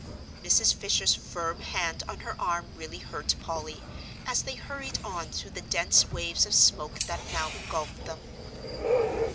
Mrs. Fisher's firm hand on her arm really hurt Polly, as they hurried on through the dense waves of smoke that now engulfed them.